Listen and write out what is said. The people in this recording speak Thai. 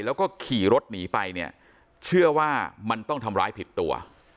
แล้วก็ขี่รถหนีไปเนี่ยเชื่อว่ามันต้องทำร้ายผิดตัว